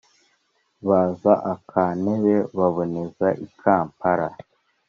Baza aka Ntebe, baboneza i Kampala,